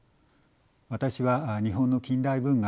私は日本の近代文学